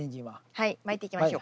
はい。